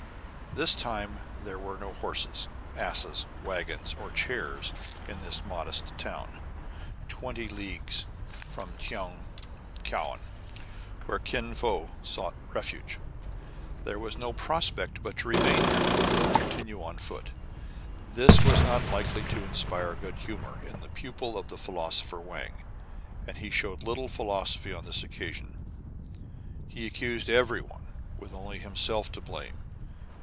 This time there were no horses, asses, wagons, or chairs in this modest town, twenty leagues from KIN FO STARTS ON AN ADVENTURE. 131 Tong Kouan, where«Kin Fo sought refuge. There was no prospect but to remain here, or continue on foot. This was not likely to inspire good hu mor in the pupil of the philosopher Wang, and he showed little philosophy on this occasion. He ac cused every one, with only himself to blame.